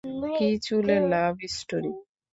কী চুলের love story?